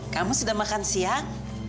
kamu sudah makan siang